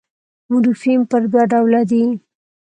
مورفیم پر دوه ډوله دئ.